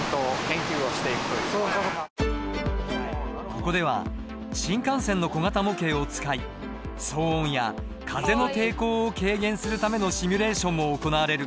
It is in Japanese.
ここでは新幹線の小型模型を使い騒音や風の抵抗を軽減するためのシミュレーションも行われる。